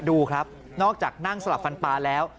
ดูครับนอกจากนั่งสลับฟันปลาแล้ว